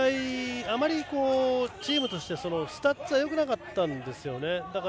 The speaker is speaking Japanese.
あまりチームとしてスタッツがよくなかったんです。